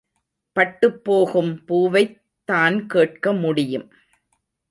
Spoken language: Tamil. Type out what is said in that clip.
பட்டுப்போகும் பூவைத் தான் கேட்க முடியும்.